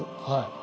はい。